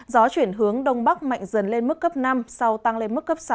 gió chuyển hướng đông bắc mạnh dần lên mức cấp năm sau tăng lên mức cấp sáu